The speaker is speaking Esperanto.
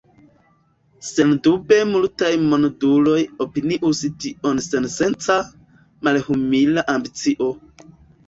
Sendube multaj monduloj opinius tion sensenca, malhumila ambicio.